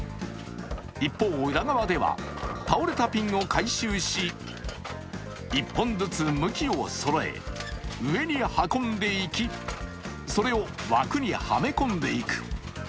一方、裏側では、倒れたピンを回収し、１本ずつ向きをそろえ上に運んでいきそれを枠にはめ込んでいく。